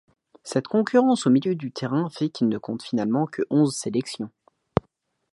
Cette concurrence au milieu de terrain fait qu'il ne compte finalement que onze sélections.